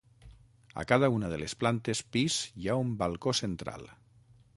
A cada una de les plantes pis hi ha un balcó central.